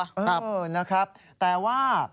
แต่ว่าทนายเกรียงไกรเปิดเผยออกมา